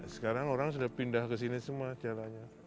sekarang orang sudah pindah ke sini semua jalannya